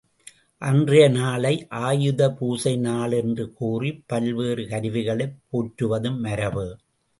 அன்றைய நாளை ஆயுதபூசை நாள் என்று கூறிப் பல்வேறு கருவிகளைப் போற்றுவதும் மரபு.